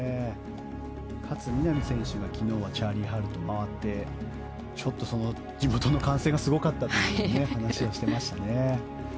勝みなみ選手が昨日はチャーリー・ハルと回ってちょっと地元の歓声がすごかったという話をしていましたね。